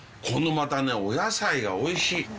このまたねお野菜がおいしい。